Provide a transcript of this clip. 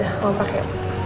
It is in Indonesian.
aku mau pakai